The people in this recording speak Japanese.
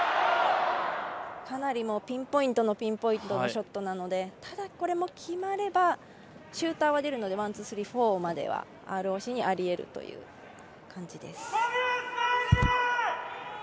かなりピンポイントのショットなのでただ、これも決まればシューターは出るのでワン、ツー、スリー、フォーまでＲＯＣにありえるという感じです。